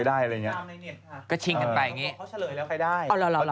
เพราะว่าตอนนี้ก็ไม่มีใครไปข่มครูฆ่า